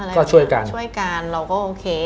แล้วก็ช่วยกันช่วยกันเราก็โอเค